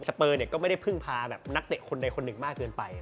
เปอร์เนี่ยก็ไม่ได้พึ่งพาแบบนักเตะคนใดคนหนึ่งมากเกินไป